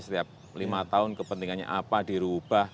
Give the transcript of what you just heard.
setiap lima tahun kepentingannya apa dirubah